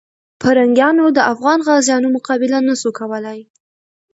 پرنګیانو د افغان غازیانو مقابله نسو کولای.